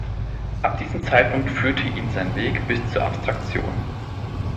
Ab diesem Zeitpunkt führte ihn sein Weg bin zur Abstraktion.